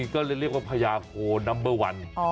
ก็เลยเรียกว่าพญาโคนัมเบอร์วัน